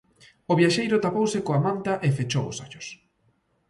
O viaxeiro tapouse coa manta e fechou os ollos.